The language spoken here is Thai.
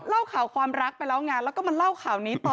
เล่าข่าวความรักไปแล้วไงแล้วก็มาเล่าข่าวนี้ต่อ